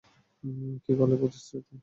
কী বালের প্রতিশ্রুতি?